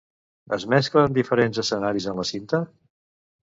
Es mesclen diferents escenaris en la cinta?